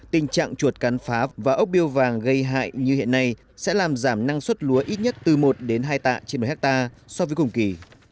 tình trạng chuột cắn phá và ốc biêu vàng gây hại như hiện nay sẽ làm giảm năng suất lúa ít nhất từ một đến hai tạ trên một hectare so với cùng kỳ